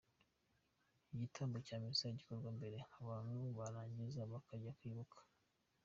Igitambo cya misa gikorwa mbere, abantu barangiza bakajya kwibuka.